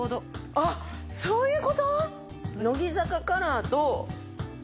あっそういう事？